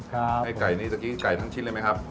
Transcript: ไก่ทั้งชิ้นเลยไหมครับ